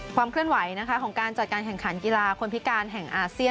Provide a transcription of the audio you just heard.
ความเคลื่อนไหวของการจัดการแข่งขันกีฬาคนพิการแห่งอาเซียน